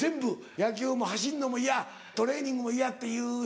野球も走るのも嫌トレーニングも嫌っていう人。